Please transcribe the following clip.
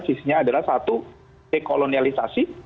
tujuan yang adalah satu dekolonialisasi